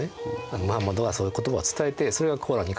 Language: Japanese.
まあムハンマドはそういう言葉を伝えてそれが「コーラン」に書かれている。